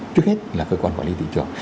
trước hết là cơ quan quản lý thị trường